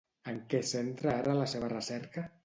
En què centra ara la seva recerca?